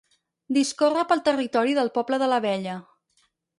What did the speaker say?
Discorre pel territori del poble de l'Abella.